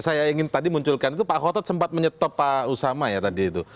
saya ingin tadi munculkan itu pak hotot sempat menyetop pak usama ya tadi itu